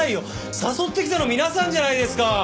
誘ってきたの皆さんじゃないですか！